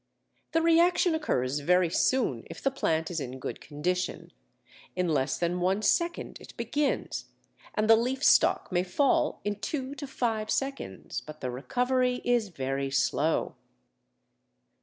The reaction occurs very soon if the plant is in good condition: in less than one second it begins, and the leaf stalk may fall in two to five seconds, but the recovery is very slow.